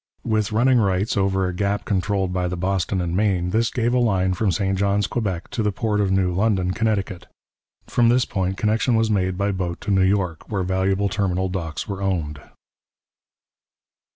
With running rights over a gap controlled by the Boston and Maine, this gave a line from St Johns, Quebec, to the port of New London, Connecticut; from this point connection was made by boat to New York, where valuable terminal docks were owned.